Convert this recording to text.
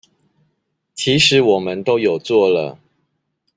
其實我們都有做了